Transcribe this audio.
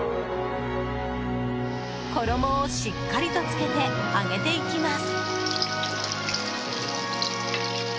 衣をしっかりとつけて揚げていきます。